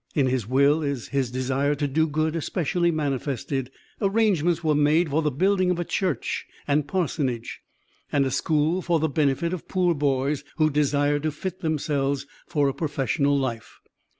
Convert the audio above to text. In his will is his desire to do good especially manifested. Arrangements were made for the building of a church and parsonage, and a school for the benefit of poor boys who desired to fit themselves for a professional life.